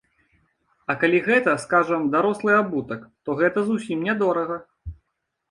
А калі гэта, скажам, дарослы абутак, то гэта зусім нядорага.